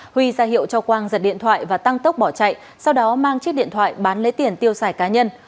huy ra hiệu cho quang giật điện thoại và tăng tốc bỏ chạy sau đó mang chiếc điện thoại bán lấy tiền tiêu xài cá nhân